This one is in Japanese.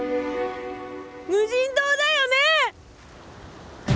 無人島だよね！？